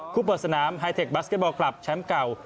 คู่เปิดสนามเฮ้ายเทคบัสเก็ตบอลคลับแชมป์เก่า